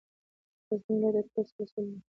غزني ولايت اتلس ولسوالۍ لري.